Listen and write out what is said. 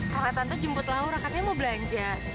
kalau tante jemput laura katanya mau belanja